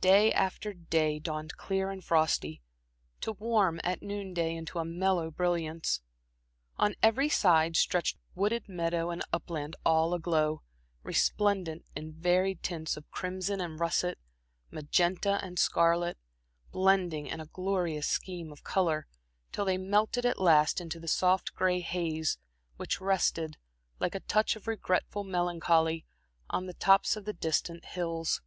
Day after day dawned clear and frosty, to warm at noon day into a mellow brilliance. On every side stretched wooded meadow and upland all aglow, resplendent in varied tints of crimson and russet, magenta and scarlet, blending in a glorious scheme of color, till they melted at last into the soft gray haze, which rested, like a touch of regretful melancholy, on the tops of the distant hills.